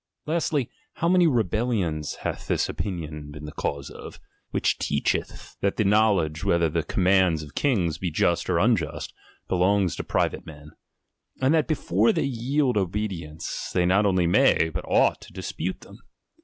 Lastly, how many rebellions hath this opinion been the cause of, which teacheth that the knowledge whether the commands of kings be just or unjust, belongs to private men ; and that be fore they yield obedience, they not only may, but ought to dispute them